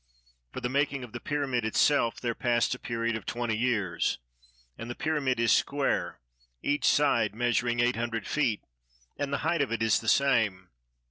For the making of the pyramid itself there passed a period of twenty years; and the pyramid is square, each side measuring eight hundred feet, and the height of it is the same.